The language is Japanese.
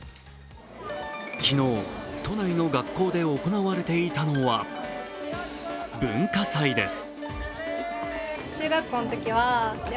昨日、都内の学校で行われていたのは文化祭です。